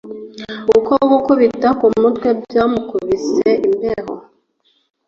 Ukwo gukubita kumutwe byamukubise imbeho